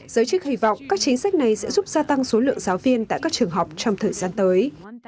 giới chức hy vọng các chính sách này sẽ giúp gia tăng số lượng giáo viên tại các trường học trong thời gian tới